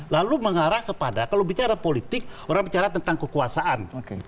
lalu mengarah kepada kalau bicara politik orang bicara tentang kekuasaan